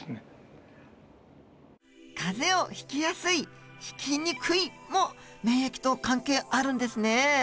風邪をひきやすいひきにくいも免疫と関係あるんですね。